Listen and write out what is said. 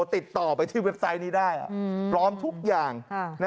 ติดต่อไปที่เว็บไซต์นี้ได้พร้อมทุกอย่าง